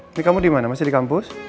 ini kamu dimana masih di kampus